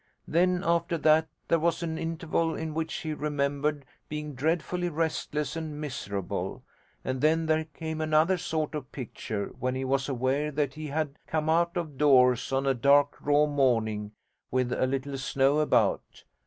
Then, after that, there was an interval in which he remembered being dreadfully restless and miserable, and then there came another sort of picture, when he was aware that he had come out of doors on a dark raw morning with a little snow about.